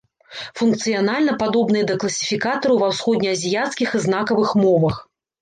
Функцыянальна падобныя да класіфікатараў ва ўсходне-азіяцкіх і знакавых мовах.